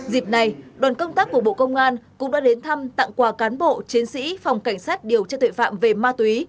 dịp này đoàn công tác của bộ công an cũng đã đến thăm tặng quà cán bộ chiến sĩ phòng cảnh sát điều tra tuệ phạm về ma túy